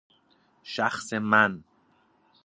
شخص من